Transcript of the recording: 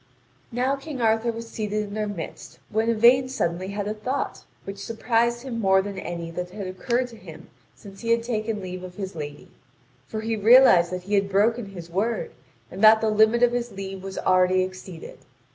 Now King Arthur was seated in their midst, when Yvain suddenly had a thought which surprised him more than any that had occurred to him since he had taken leave of his lady, for he realised that he had broken his word, and that the limit of his leave was already exceeded.